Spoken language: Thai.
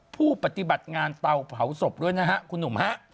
ผู้ปฏิบัติงานเตาเผาศพด้วยนะฮะคุณหนุ่มฮะ